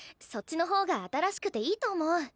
そっちの方が新しくていいと思う。